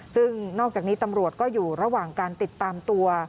ซึ่งนอกจากนี้ตำรวจก็อยู่ระหว่างการติดตามตัว